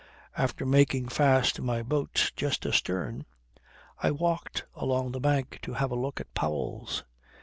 After making fast my boat just astern, I walked along the bank to have a look at Powell's.